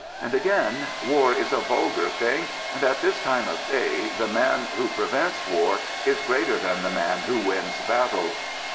And again, " War is a vulgar thing, and at this time of day the man who prevents war is greater than the man who wins battles."